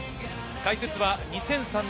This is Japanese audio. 解説は２００３年